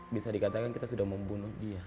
bisa dikatakan kita sudah membunuh dia